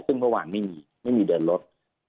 ซึ่งเมื่อวานไม่มีเมื่อวานไม่มีเดินรถ